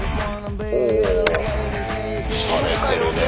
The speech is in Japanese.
ほうしゃれてるね。